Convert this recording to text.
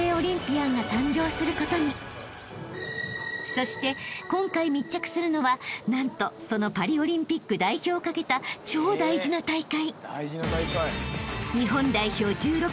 ［そして今回密着するのは何とそのパリオリンピック代表をかけた超大事な大会］